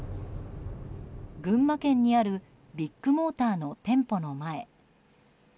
群馬県にあるビッグモーターの店舗の前。